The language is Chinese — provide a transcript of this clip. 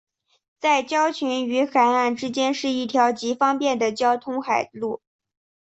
在礁群与海岸之间是一条极方便的交通海路。